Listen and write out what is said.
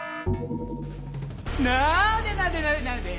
なでなでなでなで。